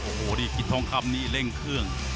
โอ้โหนี่กิจทองคำนี้เร่งเครื่อง